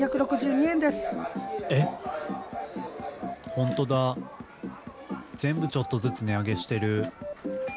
本当だ全部ちょっとずつ値上げしてる。